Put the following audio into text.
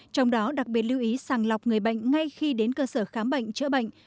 trong đó đặc biệt lưu ý sàng lọc người bệnh ngay khi đến cơ sở khám bệnh chữa bệnh